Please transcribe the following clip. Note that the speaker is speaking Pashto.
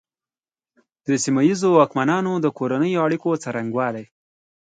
د سیمه ییزو واکمنانو د کورنیو اړیکو څرنګوالي.